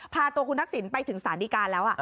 พาตัวคุณทักษิณไปถึงสารดีการแล้ว